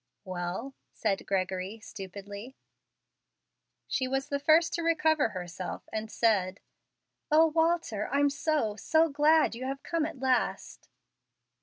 "Well?" said Gregory, stupidly. She was the first to recover herself, and said, "O, Walter, I'm so so glad you have come at last!"